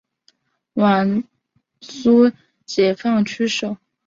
豫皖苏解放区设。